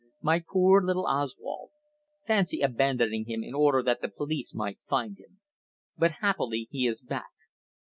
My poor little Oswald. Fancy abandoning him in order that the police might find him. But happily he is back.